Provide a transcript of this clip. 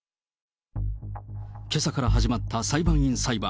けさから始まった裁判員裁判。